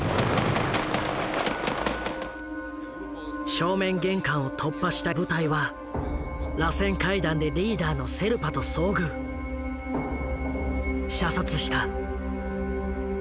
正面玄関を突破した部隊はらせん階段でリーダーのセルパと遭遇射殺した。